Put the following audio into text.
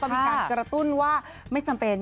มีการกระตุ้นว่าไม่จำเป็น